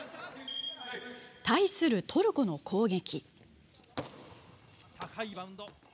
対するトルコの攻撃。